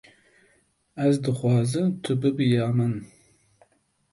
Ez dixwazim tu bibî ya min.